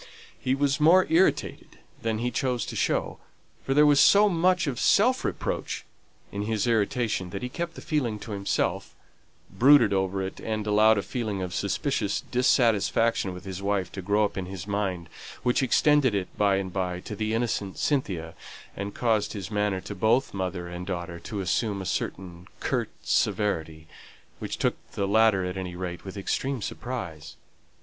He was more irritated than he chose to show; for there was so much of self reproach in his irritation that he kept it to himself, brooded over it, and allowed a feeling of suspicious dissatisfaction with his wife to grow up in his mind, which extended itself by and by to the innocent Cynthia, and caused his manner to both mother and daughter to assume a certain curt severity, which took the latter at any rate with extreme surprise.